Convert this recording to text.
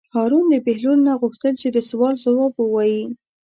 هارون د بهلول نه وغوښتل چې د سوال ځواب ووایي.